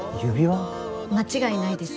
間違いないです。